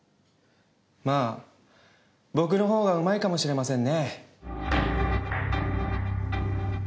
まあ僕の方がうまいかもしれませんね。